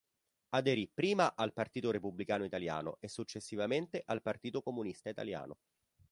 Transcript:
Aderì prima al Partito Repubblicano Italiano e successivamente al Partito Comunista Italiano.